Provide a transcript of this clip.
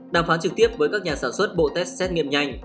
đàm phán trực tiếp với các nhà sản xuất bộ test xét nghiệm nhanh